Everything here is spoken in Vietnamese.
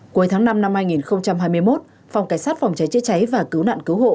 cuối tháng năm năm hai nghìn hai mươi một phòng cảnh sát phòng cháy chế cháy và cứu nạn cứu hộ